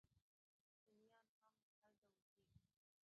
سنیان هم هلته اوسیږي.